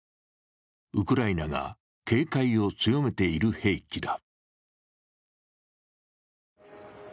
ウクライナが警戒を強めている兵器だ。